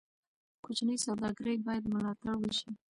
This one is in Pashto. کوچني سوداګرۍ باید ملاتړ شي.